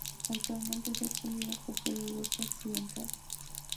Actualmente se ha extendido por toda Europa Occidental.